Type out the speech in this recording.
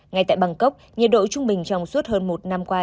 ngay tại bangkok nhiệt độ trung bình trong suốt hơn một năm qua